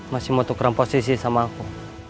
masih mau tukar posisi sama aku